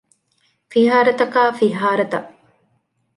ފިހާރަތަކާ ފިހާރަތައް